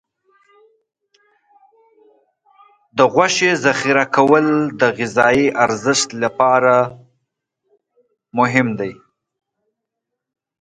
د غوښې ذخیره کول د غذايي ارزښت لپاره مهم دي.